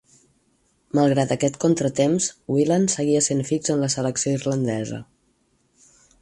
Malgrat aquest contratemps, Whelan seguia sent fix en la selecció irlandesa.